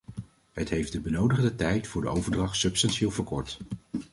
Het heeft de benodigde tijd voor de overdracht substantieel verkort.